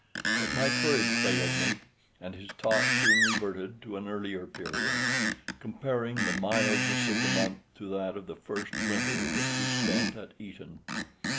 But my courage failed me, and his talk soon reverted to an earlier period, comparing the mildness of the month to that of the first winter which he spent at Eton.